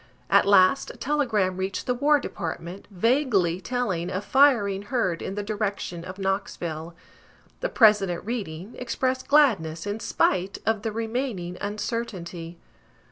At last a telegram reached the War Department, vaguely telling of "Firing heard in the direction of Knoxville." The President reading, expressed gladness, in spite of the remaining uncertainty.